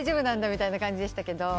みたいな感じでしたけど。